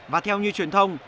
và theo như truyền thông